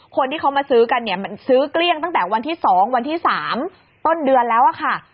คนที่เขามาซื้อกันเนี่ยมันซื้อเกลี้ยงตั้งแต่วันที่๒วันที่๓ต้นเดือนแล้วค่ะ